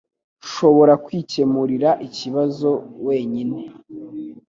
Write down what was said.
Nshobora kwikemurira ikibazo wenyine